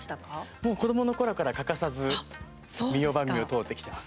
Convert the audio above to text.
もう子どものころから欠かさず民謡番組を通ってきてます。